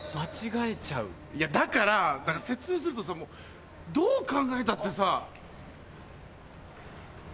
だから説明するとどう考えたってさ。